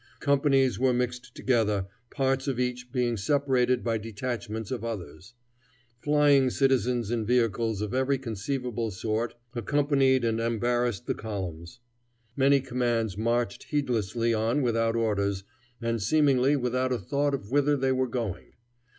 Companies were mixed together, parts of each being separated by detachments of others. Flying citizens in vehicles of every conceivable sort accompanied and embarrassed the columns. Many commands marched heedlessly on without orders, and seemingly without a thought of whither they were going.